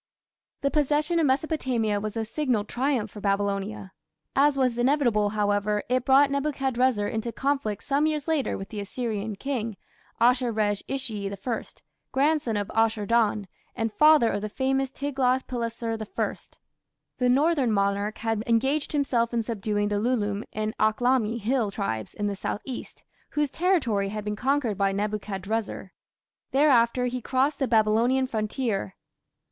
The possession of Mesopotamia was a signal triumph for Babylonia. As was inevitable, however, it brought Nebuchadrezzar into conflict some years later with the Assyrian king, Ashur resh ishi I, grandson of Ashur dan, and father of the famous Tiglath pileser I. The northern monarch had engaged himself in subduing the Lullume and Akhlami hill tribes in the south east, whose territory had been conquered by Nebuchadrezzar. Thereafter he crossed the Babylonian frontier.